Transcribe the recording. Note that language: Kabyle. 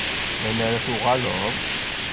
Ayen ara tuɣaleḍ?